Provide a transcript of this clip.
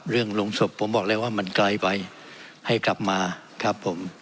ลงศพผมบอกเลยว่ามันไกลไปให้กลับมาครับผม